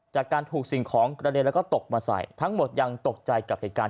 จากการถูกสิ่งของกระเด็นแล้วก็ตกมาใส่ทั้งหมดยังตกใจกับเหตุการณ์